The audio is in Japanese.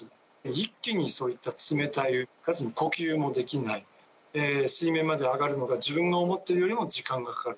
一気にそういった冷たい、かつ呼吸もできない、水面まで上がるのが、自分の思っているよりも時間がかかる。